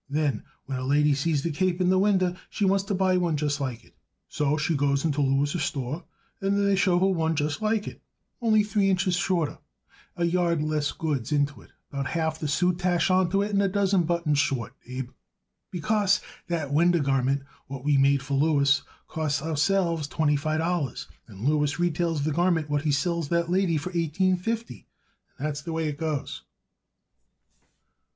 Then, when a lady sees that cape in the winder, she wants to buy one just like it, so she goes into Louis' store and they show her one just like it, only three inches shorter, a yard less goods into it, about half the soutache on to it and a dozen buttons short, Abe; because that winder garment what we make for Louis costs us ourselves twenty five dollars, and Louis retails the garment what he sells that lady for eighteen fifty. And that's the way it goes."